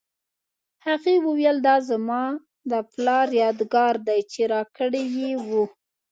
هغې وویل دا زما د پلار یادګار دی چې راکړی یې و